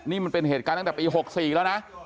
นี่มันเป็นเหตุการณ์ตั้งแต่ปี๖๔แล้วนะ